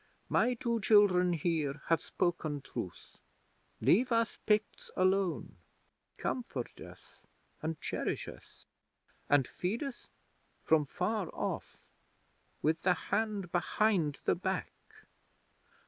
My two children here have spoken truth. Leave us Picts alone. Comfort us, and cherish us, and feed us from far off with the hand behind the back.